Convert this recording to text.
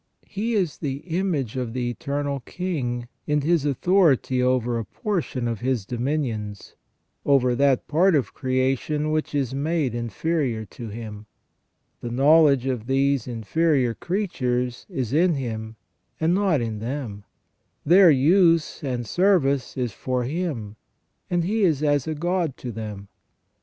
He is the image of the Eternal King in his authority over a portion of His dominions, over that part of creation which * S. Basil, Exameron, Horn. xi. 62 THE SECONDARY IMAGE OF GOD IN MAN. is made inferior to him. The knowledge of these inferior crea tures is in him, and not in them; their use and service is for him ; and he is as a god to them.